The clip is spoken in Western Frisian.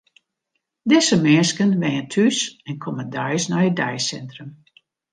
Dizze minsken wenje thús en komme deis nei it deisintrum.